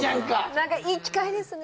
何かいい機会ですね